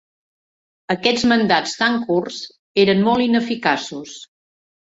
Aquests mandats tan curts eren molt ineficaços.